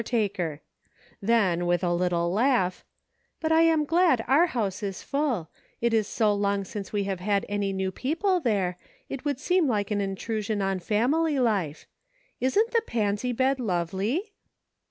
taker ; then with a little laugh, " but I am glad our house is full ; it is so long since we have had any new people there, it would seem like an intru sion on family life. Isn't the pansy bed lovely